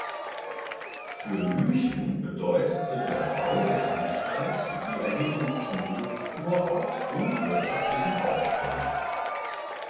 Für Lychen bedeutete der Bau der Anstalt die Erhebung zum Luftkurort und wirtschaftlichen Aufschwung.